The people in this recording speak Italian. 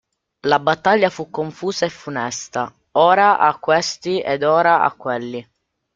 La battaglia fu confusa e funesta ora a questi ed ora a quelli.